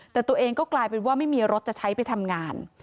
แต่ตัวเองก็กลายเป็นว่าไม่มีรถจะใช้ไปทำงาน